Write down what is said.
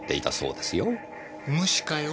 無視かよ。